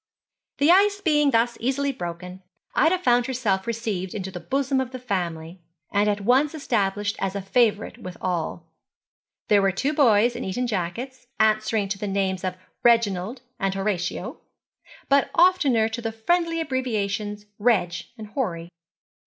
The ice being thus easily broken, Ida found herself received into the bosom of the family, and at once established as a favourite with all. There were two boys in Eton jackets, answering to the names of Reginald and Horatio, but oftener to the friendly abbreviations Reg and Horry.